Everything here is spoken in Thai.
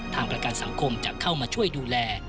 ประกันสังคมจะเข้ามาช่วยดูแล